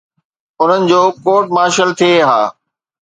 انهن جو court martial ٿئي ها.